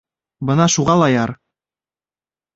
Бына шуға ла Яр!